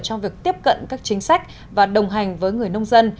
trong việc tiếp cận các chính sách và đồng hành với người nông dân